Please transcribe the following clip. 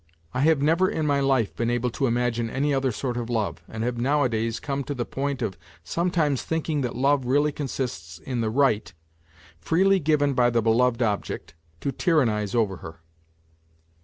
I have never in my life boon able to imagine any other sort of love, and have nowadays come to the point of sometimes thinking that love really consists in the right freely given by the beloved object to tyrannize over her.